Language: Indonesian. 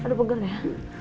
aduh pegal ya